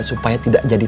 supaya tidak jadi tkw